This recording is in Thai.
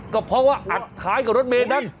ก็เพราะว่าอัดท้ายกับรถเมย์นั้น